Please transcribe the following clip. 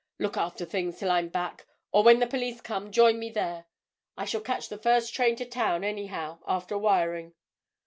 Look after things till I'm back, or, when the police come, join me there. I shall catch the first train to town, anyhow, after wiring."